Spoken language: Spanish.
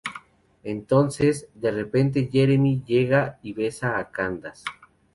Entonces, de repente Jeremy llega y besa a Candace.